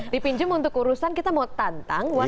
dipinjam untuk urusan kita mau tantang buat ini